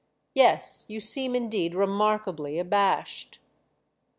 "Yes—you seem indeed remarkably abashed!"